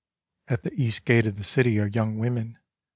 AT the East Gate of the City are young women.